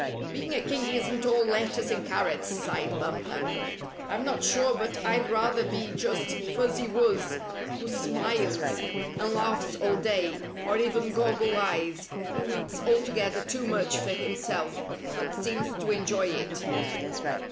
"Being a king isn't all lettuce and carrots," sighed Bumper. "I'm not sure but I'd rather be just Fuzzy Wuzz, who smiles and laughs all day, or even Goggle Eyes, who eats altogether too much for himself, but seems to enjoy it."